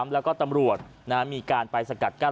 และตำรวจมีการไปสกัดกัน